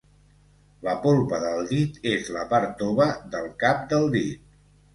La polpa del dit és la part tova del cap del dit.